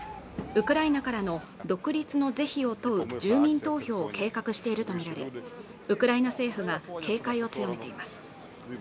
ウクライナからの独立の是非を問う住民投票を計画していると見られウクライナ政府が警戒を強めています